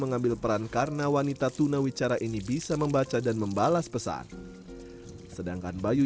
mengambil peran karena wanita tunawicara ini bisa membaca dan membalas pesan sedangkan bayu